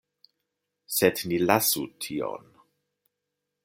Sed ni lasu tion!